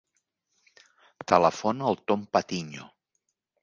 Telefona al Tom Patiño.